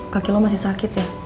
kaki lo masih sakit ya